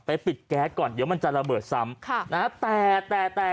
ปิดแก๊สก่อนเดี๋ยวมันจะระเบิดซ้ำค่ะนะฮะแต่แต่แต่